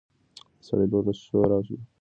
د سړي لور شه او خبرې مه کوه.